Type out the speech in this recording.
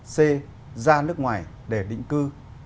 c ra nước ngoài để định cư